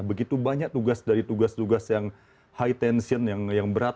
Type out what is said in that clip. begitu banyak tugas dari tugas tugas yang high tension yang berat